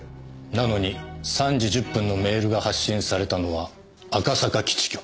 なのに３時１０分のメールが発信されたのは赤坂基地局。